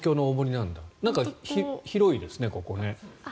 なんか広いですね、ここね。